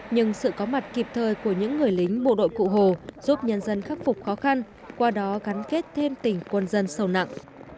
nhưng sự có mặt kịp thời của những người lính bộ đội cụ hồ giúp nhân dân khắc phục khó khăn qua đó gắn kết thêm tỉnh quân dân sâu nặng